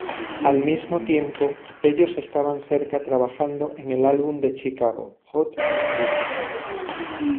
Al mismo tiempo, ellos estaban cerca trabajando en el álbum de Chicago "Hot Streets".